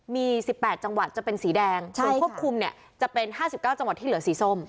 มีสิบแปดจังหวัดจะเป็นสีแดงใช่ค่ะสูงควบคุมเนี่ยจะเป็นห้าสิบเก้าจังหวัดที่เหลือสีส้ม